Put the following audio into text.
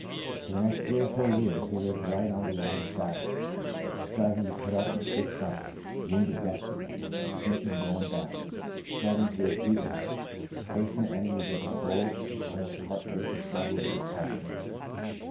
For the next three or four years he lived right on the line of battle, striving to put up a stiff fight, wounded desperately, smitten and going down, starting to his feet Sons of Ishmael loi again, facing the enemies of his soul in an almost heart breaking struggle to be Christ's man.